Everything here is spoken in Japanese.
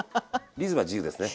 リズムは自由ですね。